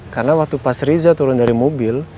karena waktu pas riza turun dari mobil